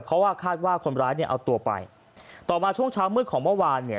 เพราะว่าคาดว่าคนร้ายเนี่ยเอาตัวไปต่อมาช่วงเช้ามืดของเมื่อวานเนี่ย